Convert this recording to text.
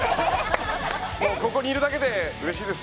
もうここにいるだけでうれしいです。